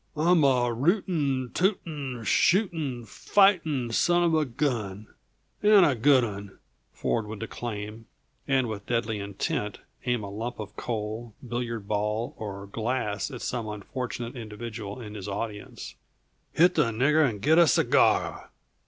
"I'm a rooting, tooting, shooting, fighting son of a gun and a good one!" Ford would declaim, and with deadly intent aim a lump of coal, billiard ball, or glass at some unfortunate individual in his audience. "Hit the nigger and get a cigar!